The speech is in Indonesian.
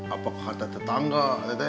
apa kata tetangga